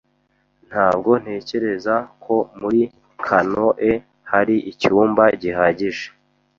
Ntabwo ntekereza ko muri kanoe hari icyumba gihagije.